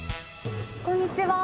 こんにちは。